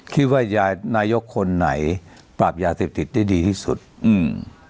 คิดว่ายานายกคนไหนปราบยาเสพติดได้ดีที่สุดอืม